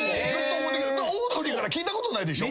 オードリーから聞いたことないでしょ？